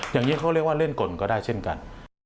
อย่างนี้เขาเรียกว่าเล่นกลก็ได้เช่นกัน